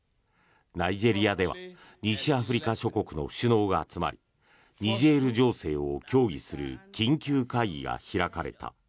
ナイジェリアでは西アフリカ諸国の首脳が集まりニジェール情勢を協議する緊急会議が開かれた。